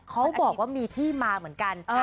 เขาบอกว่ามีที่มาเหมือนกัน